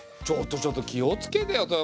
ちょっとちょっと気を付けてよ。